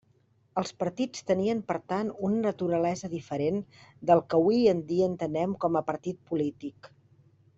Els partits tenien, per tant, una naturalesa diferent del que hui en dia entenem com a partit polític.